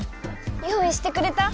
用いしてくれた？